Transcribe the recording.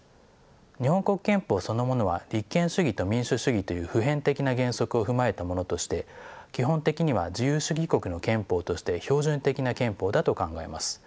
日本国憲法そのものは立憲主義と民主主義という普遍的な原則を踏まえたものとして基本的には自由主義国の憲法として標準的な憲法だと考えます。